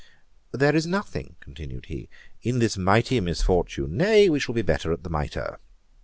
'There is nothing (continued he) in this mighty misfortune; nay, we shall be better at the Mitre.'